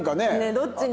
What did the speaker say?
どっちに。